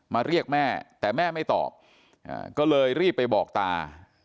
เรียกแม่แต่แม่ไม่ตอบก็เลยรีบไปบอกตา